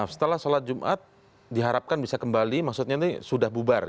setelah sholat jumat diharapkan bisa kembali maksudnya ini sudah bubar